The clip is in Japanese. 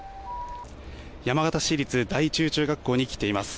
山形市立第十中学校に来ています。